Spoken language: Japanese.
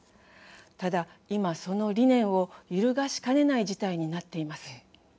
ただ、今その理念を揺るがしかねない事態になっています。